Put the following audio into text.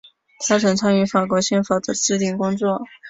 他曾参与法国宪法的制订工作。